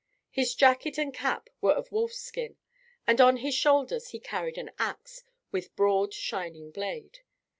His jacket and cap were of wolf skin, and on his shoulder he carried an axe, with broad, shining blade.